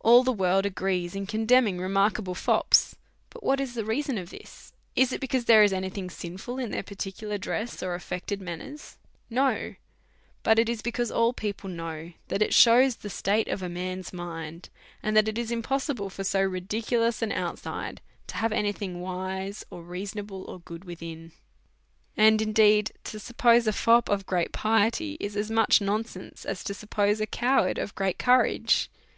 All the world agree in condemning remarkable fops. Now, what is the reason of it ? Is it because there is any thing sinful in their particular dress or affected manners '{ No ; but it is because all people know that it shews the state of a man's mind, and that it is im possible for so ridiculous an outside to have any thing wise, or reasonable, or good within. And, indeed, to*", suppose a fop of great piety is as much nonsense j as to suppose a coward of great courage.